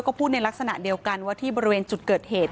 ก็พูดในลักษณะเดียวกันว่าที่บริเวณจุดเกิดเหตุ